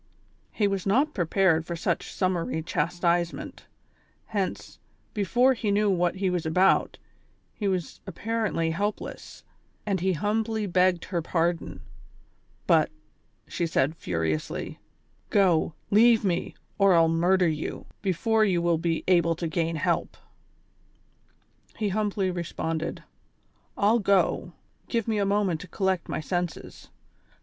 He was not prepared for such summary chastisement, hence, before he knew what he was about, he was appa rently helpless ; when he humbly begged her pardon ! But, she said;, furiously :^' Go, leave me, or I'll murder you, before you will be able to gain help !" He humbly responded : "I'll go, give me a moment to collect my senses."